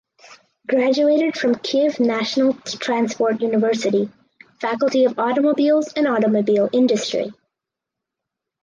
Graduated from Kyiv National Transport University (faculty of Automobiles and Automobile Industry).